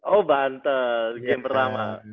oh banten game pertama